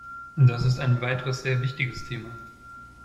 Das ist ein weiteres sehr wichtiges Thema.